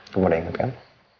kamu udah inget kan